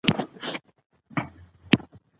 په دې دره کې دا مهم پراته دي